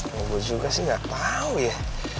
mau gua juga sih gak tau ya